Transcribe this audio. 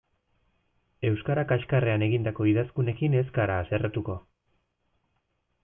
Euskara kaxkarrean egindako idazkunekin ez gara haserretuko.